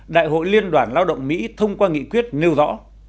đại hội liên đoàn lao động mỹ thông qua nghị quyết nêu rõ